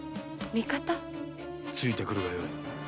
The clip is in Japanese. ついて来るがよい。